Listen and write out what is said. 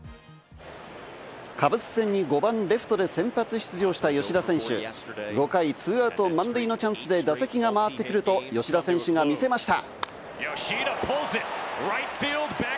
カブス戦に５番・レフトで先発出場した吉田選手、５回ツーアウト満塁のチャンスで打席が回ってくると吉田選手が見せました。